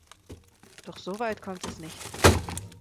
Doch soweit kommt es nicht.